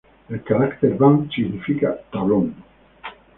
El caracter "ban" significa "tablón".